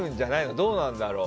どうなんだろう。